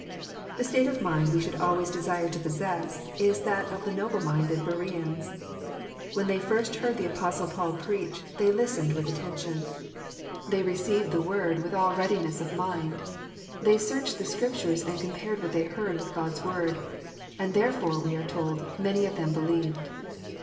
The state of mind we should always desire to possess is that of the noble minded Beraeans. When they first heard the Apostle Paul preach, they listened with attentioiL r JOHN, CIIAP. IX. 151 They received the Word " with all readiness of mind." They " searched the Scriptures," and compared what they heard with God's Word. " And therefore," we are told, *' many of them believed."